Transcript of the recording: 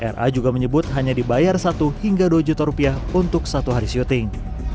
ra juga menyebut hanya dibayar satu hingga dua juta rupiah untuk satu hari syuting